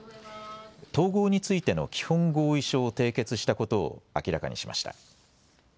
統合についての基本合意書を締結したことを明らかにしました。